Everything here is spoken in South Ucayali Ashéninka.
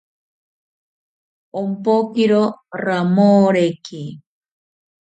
Ompokiro ramoreke